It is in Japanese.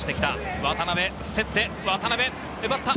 渡辺競って、渡辺粘った！